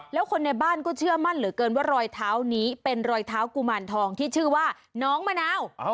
แล้วคนในบ้านก็เชื่อมั่นเหลือเกินว่ารอยเท้านี้เป็นรอยเท้ากุมารทองที่ชื่อว่าน้องมะนาว